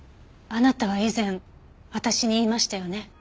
あなたは以前私に言いましたよね。